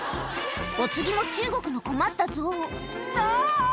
お次も中国の困ったゾウああ！